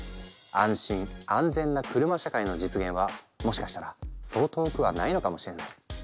安心・安全な車社会の実現はもしかしたらそう遠くはないのかもしれない。